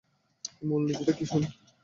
মূলনীতিটা কী শুনি।